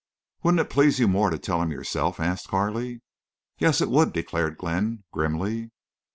"Wouldn't it please you more to tell him yourself?" asked Carley. "Yes, it would," declared Glenn, grimly.